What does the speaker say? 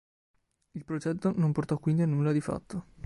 Il progetto non portò quindi a nulla di fatto.